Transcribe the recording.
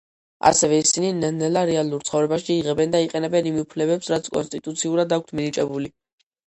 ასევე ისინი ნელ-ნელა რეალურ ცხოვრებაში იღებენ და იყენებენ იმ უფლებებს რაც კონსტიტუციურად აქვთ მინიჭებული.